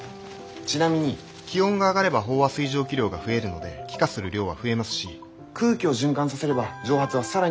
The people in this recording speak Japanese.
ちなみに気温が上がれば飽和水蒸気量が増えるので気化する量は増えますし空気を循環させれば蒸発は更に早く進みます。